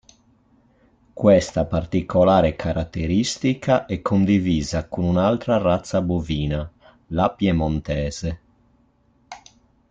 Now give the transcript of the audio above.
Questa particolare caratteristica è condivisa con un'altra razza bovina, la piemontese.